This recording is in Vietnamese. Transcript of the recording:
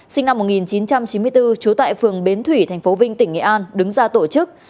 sinh năm một nghìn chín trăm chín mươi bốn trú tại phường bến thủy thành phố vinh tỉnh nghệ an đứng ra tổ chức